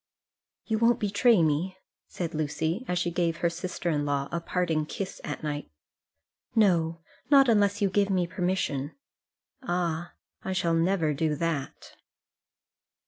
"You won't betray me," said Lucy, as she gave her sister in law a parting kiss at night. "No; not unless you give me permission." "Ah; I shall never do that."